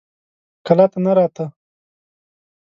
کلا ته نه راته.